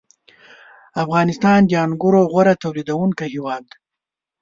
• افغانستان د انګورو غوره تولیدوونکی هېواد دی.